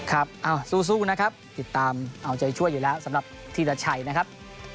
ครับสู้นะครับติดตามเอาใจช่วยอยู่แล้วสำหรับธีรชัยนะครับ